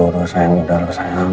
dulu sayang udah lu sayang